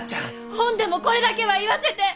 ほんでもこれだけは言わせて！